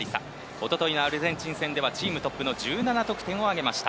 一昨日のアルゼンチン戦ではチームトップの１７得点を挙げました。